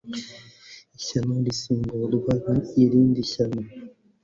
ishyano rirasimburwa n' irindi shyano.